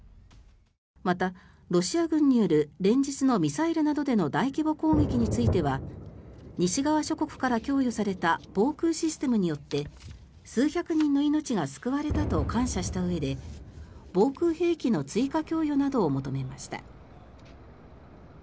また、ロシア軍による連日のミサイルなどでの大規模攻撃については西側諸国から供与された防空システムによって数百人の命が救われたと感謝したうえで防空兵器の追加供与などを求めました。